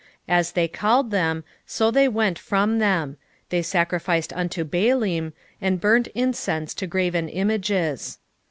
11:2 As they called them, so they went from them: they sacrificed unto Baalim, and burned incense to graven images.